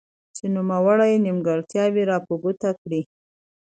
چې نوموړي نيمګړتياوي را په ګوته کړي.